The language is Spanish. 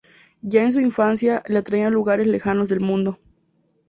Ya en su infancia le atraían lugares lejanos del mundo.